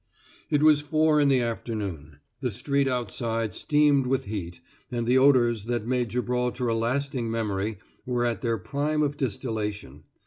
It was four in the afternoon. The street outside steamed with heat, and the odors that make Gibraltar a lasting memory were at their prime of distillation.